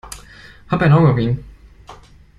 Hab ein Auge auf ihn.